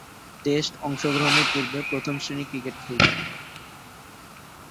টেস্টে অংশগ্রহণের পূর্বে প্রথম-শ্রেণীর ক্রিকেট খেলতেন।